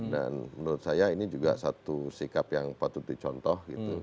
dan menurut saya ini juga satu sikap yang patut dicontoh